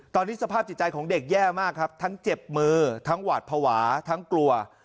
ตอนนี้สภาพจิตใจของเด็กแย่มากครับทั้งเจ็บมือทั้งหวาดภาวะทั้งกลัว